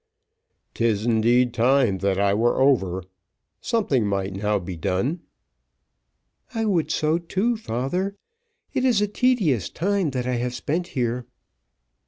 "'Tis indeed time that I were over. Something might now be done." "I would so too, father; it is a tedious time that I have spent here."